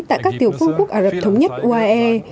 tại các tiểu phương quốc ả rập thống nhất uae